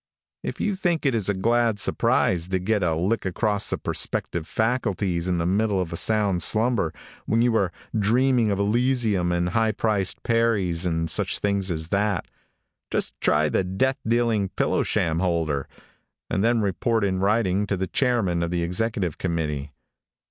If you think it is a glad surprise to get a lick across the perceptive faculties in the middle of a sound slumber, when you are dreaming of elysium and high priced peris and such things as that, just try the death dealing pillow sham holder, and then report in writing to the chairman of the executive committee.